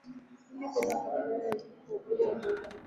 li kuweza kukabiliana na mlipuko wa ugonjwa wa kipindupindu